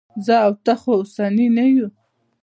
زه او ته خو اوسني نه یو.